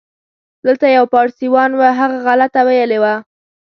دلته یو پاړسیوان و، هغه غلطه ویلې وه.